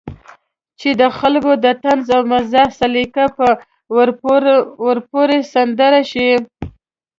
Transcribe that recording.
چې د خلکو د طنز او مزاح سليقه به ورپورې سندره شي.